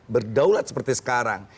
berdaulat seperti sekarang